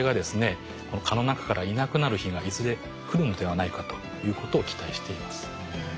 この蚊の中からいなくなる日がいずれ来るのではないかということを期待しています。